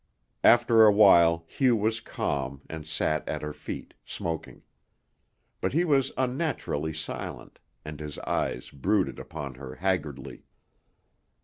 After a while Hugh was calm and sat at her feet, smoking. But he was unnaturally silent, and his eyes brooded upon her haggardly.